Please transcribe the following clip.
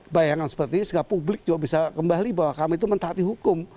bayangan seperti ini sehingga publik juga bisa kembali bahwa kami itu mentaati hukum